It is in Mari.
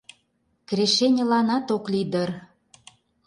Крешеньыланат ок лий дыр...